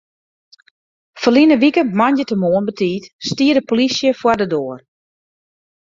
Ferline wike moandeitemoarn betiid stie de polysje foar de doar.